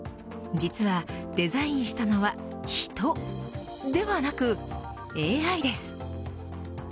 実はデザインしたのはヒトではなくＡＩです。